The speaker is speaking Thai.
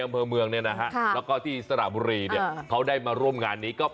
ในยังเพิ่มเมืองและที่สระบุรีเราก็ได้มาร่วมงานนี้